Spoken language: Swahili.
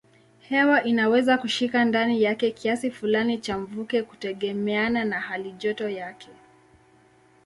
Hewa inaweza kushika ndani yake kiasi fulani cha mvuke kutegemeana na halijoto yake.